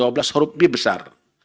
atau pasal dua belas b besar